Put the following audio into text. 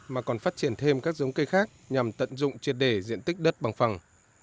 mà còn phát triển thêm các giống cây khác nhằm tận dụng triệt đề diện tích đất bằng phẳng